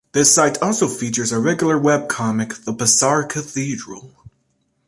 The site also features a regular webcomic "the Bizarre Cathedral".